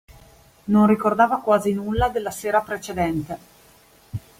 Non ricordava quasi nulla della sera precedente.